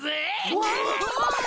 うわ。